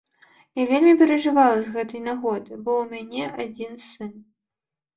Я вельмі перажывала з гэтай нагоды, бо ў мяне адзін сын.